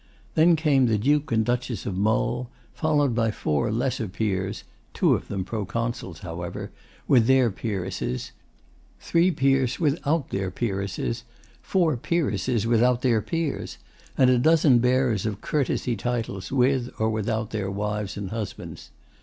Then came the Duke and Duchess of Mull, followed by four lesser Peers (two of them Proconsuls, however) with their Peeresses, three Peers without their Peeresses, four Peeresses without their Peers, and a dozen bearers of courtesy titles with or without their wives or husbands.